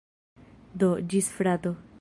Do, ĝis frato!